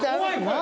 何？